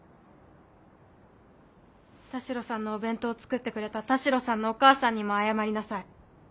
田代さんのお弁当を作ってくれた田代さんのお母さんにも謝りなさい。